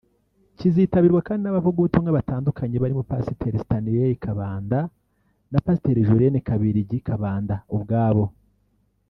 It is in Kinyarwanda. Kizitabirwa kandi n’abavugabutumwa batandukanye barimo Pasiteri Stanley Kabanda na Pasiteri Julienne Kabiligi Kabanda ubwabo